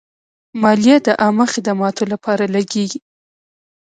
مالیه د عامه خدماتو لپاره لګیږي.